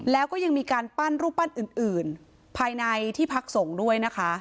แล้วก็ยังมีการปั้นรูปปั้นอื่นภายในที่พักสงฆ์ด้วยนะคะ